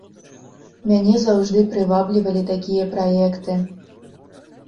Мяне заўжды прываблівалі такія праекты.